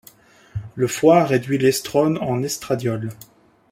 Le foie réduit l'estrone en estradiol.